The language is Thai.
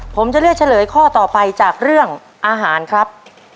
ผมจะเลือกเฉลยข้อต่อไปจากเรื่องอาหารครับ